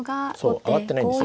上がってないんですよ